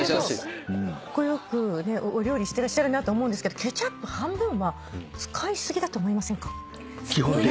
カッコ良くお料理してらっしゃると思うんですけどケチャップ半分は使いすぎだと思いませんか？